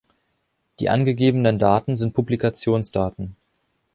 Die angegebenen Daten sind Publikationsdaten.